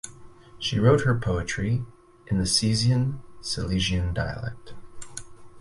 She wrote her poetry in the Cieszyn Silesian dialect.